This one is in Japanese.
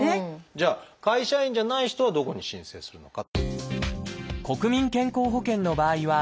じゃあ会社員じゃない人はどこに申請するのか。